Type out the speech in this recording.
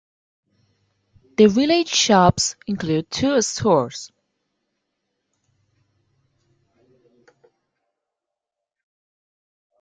The village shops include two stores.